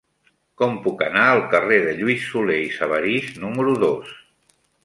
Com puc anar al carrer de Lluís Solé i Sabarís número dos?